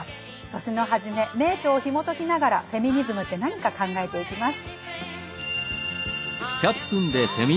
年のはじめ名著をひもときながらフェミニズムって何か考えていきます。